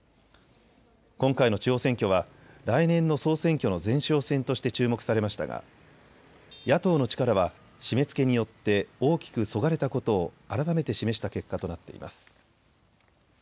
今回の地方選挙は来年の総選挙の前哨戦として注目されましたが野党の力は締めつけによって大きくそがれたことを改めて示した結果となっています。